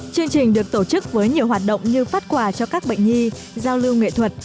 chương trình được tổ chức với nhiều hoạt động như phát quà cho các bệnh nhi giao lưu nghệ thuật